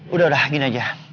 udah udah gini aja